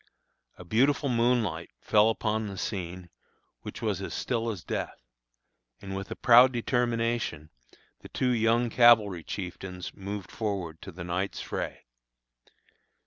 A beautiful moonlight fell upon the scene, which was as still as death; and with a proud determination the two young cavalry chieftains moved forward to the night's fray.